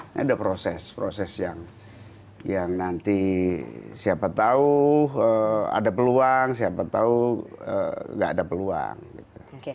ini ada proses proses yang nanti siapa tahu ada peluang siapa tahu nggak ada peluang gitu